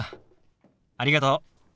ああありがとう。